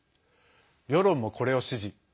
世論も、これを支持。